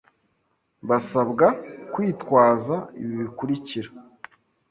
basabwa kwitwaza ibi bikurikira